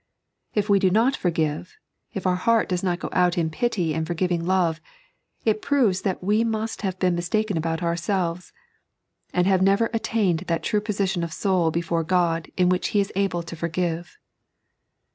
If we do not forgive, if our heart does not go out in pity and forgiving love, it proven that we must have been mistaken about ourBelves, and have never attained that true position of soul before God in which He is able to foi; give.